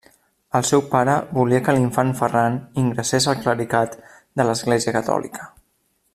El seu pare volia que l'infant Ferran ingressés al clericat de l'Església Catòlica.